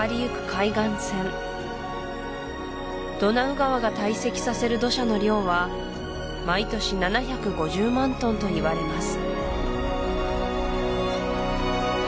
海岸線ドナウ川が堆積させる土砂の量は毎年７５０万トンといわれます